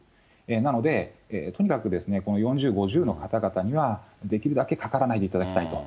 なので、とにかく、この４０、５０の方々には、できるだけかからないでいただきたいと。